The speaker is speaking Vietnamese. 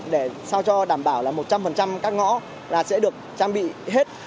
để sao cho đảm bảo là một trăm linh các ngõ là sẽ được trang bị hết